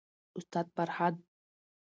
استاد فرهاد داوري د سياسي علومو افغان مفکر دی.